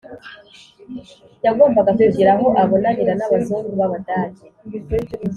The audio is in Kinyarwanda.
yagombaga kugira aho abonanira n'abazungu b’abadage